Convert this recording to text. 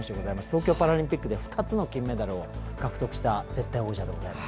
東京パラリンピックで２つの金メダルを獲得した絶対王者です。